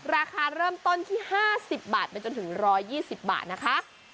ราคาเริ่มตอนที่ห้าสิบบาทไปจนถึงร้อยยี่สิบบาทนะคะ